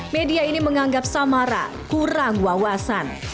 media ini menganggap samara kurang wawasan